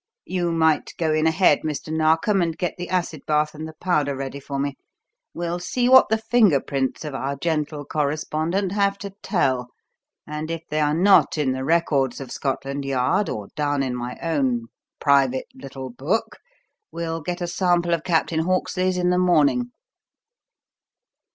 You might go in ahead, Mr. Narkom, and get the acid bath and the powder ready for me. We'll see what the finger prints of our gentle correspondent have to tell, and, if they are not in the records of Scotland Yard or down in my own private little book, we'll get a sample of Captain Hawksley's in the morning."